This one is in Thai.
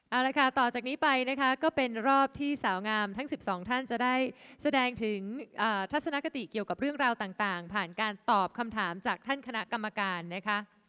เอาละค่ะต่อจากนี้ไปนะคะก็เป็นรอบที่สาวงามทั้ง๑๒ท่านจะได้แสดงถึงทัศนคติเกี่ยวกับเรื่องราวต่างผ่านการตอบคำถามจากท่านคณะกรรมการนะคะ